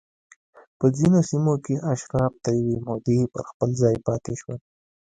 په ځینو سیمو کې اشراف تر یوې مودې پر خپل ځای پاتې شول